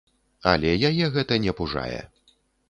Але яе гэта не пужае.